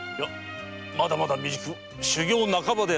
まだまだ未熟修行なかばである。